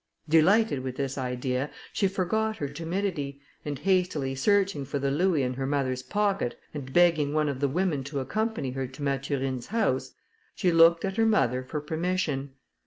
Delighted with this idea, she forgot her timidity, and hastily searching for the louis in her mother's pocket, and begging one of the women to accompany her to Mathurine's house, she looked at her mother for permission.